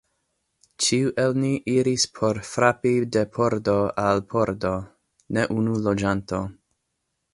Ĉiu el ni iris por frapi de pordo al pordo: ne unu loĝanto.